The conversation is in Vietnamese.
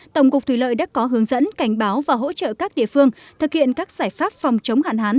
tổng cục thủy lợi đã có hướng dẫn cảnh báo và hỗ trợ các địa phương thực hiện các giải pháp phòng chống hạn hán